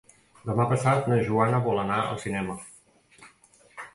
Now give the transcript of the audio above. Demà passat na Joana vol anar al cinema.